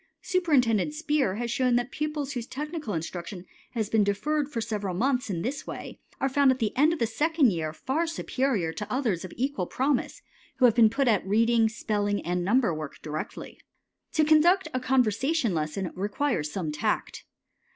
Superintendent Speer has shown that pupils whose technical instruction has been deferred for several months in this way are found at the end of the second year far superior to others of equal promise, who have been put at reading, spelling, and number work directly. To conduct a conversation lesson requires some tact.